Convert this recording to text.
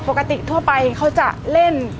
ปกติทั่วไปเขาจะเล่น